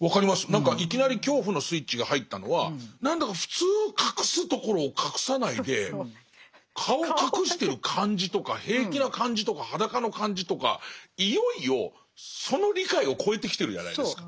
何かいきなり恐怖のスイッチが入ったのはなんだか普通隠すところを隠さないで顔を隠してる感じとか平気な感じとか裸の感じとかいよいよその理解を超えてきてるじゃないですか。